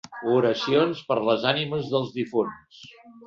Oracions per les ànimes dels difunts.